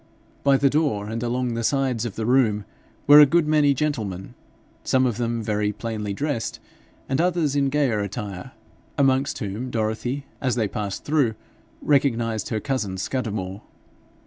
By the door and along the sides of the room were a good many gentlemen, some of them very plainly dressed, and others in gayer attire, amongst whom Dorothy, as they passed through, recognised her cousin Scudamore.